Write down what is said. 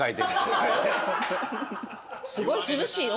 すごい涼しいよ